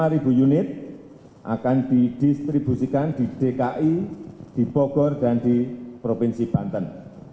lima unit akan didistribusikan di dki di bogor dan di provinsi banten